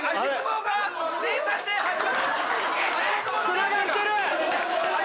つながってる！